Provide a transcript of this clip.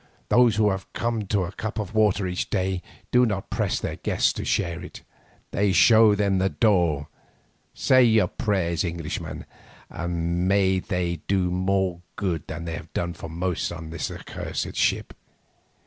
"Those who have come to a cup of water each a day, do not press their guests to share it. They show them the door. Say your prayers, Englishman, and may they do you more good than they have done for most on this accursed ship.